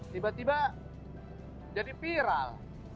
tiba tiba jadi viral